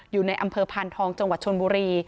อยู่ในอำเภอพานทองจังหวัดชนบุรี